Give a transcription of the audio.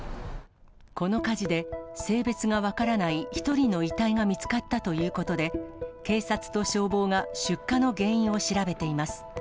この火事で、性別が分からない１人の遺体が見つかったということで、警察と消防が出火の原因を調べています。